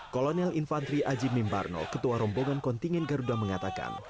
kolonel infantri aji mimparno ketua rombongan kontingin garuda mengatakan